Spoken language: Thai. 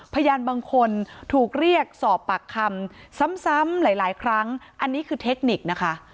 พยานบางคนถูกเรียกสอบปากคำซ้ำหลายครั้งอันนี้คือเทคนิคนะคะ